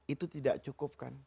itu tidak cukup kan